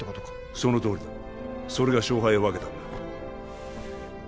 そのとおりだそれが勝敗を分けたんだ